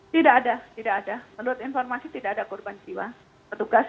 tidak ada menurut informasi tidak ada korban jiwa